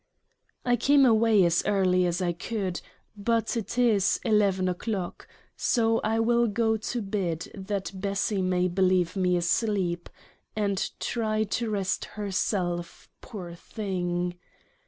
I came away as early as I could — but 'tis 11 o'clock, so I will go to bed that Bessy may believe me asleep: and try to rest herself, — poor Thing